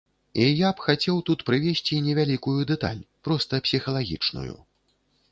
І я б хацеў тут прывесці невялікую дэталь, проста псіхалагічную.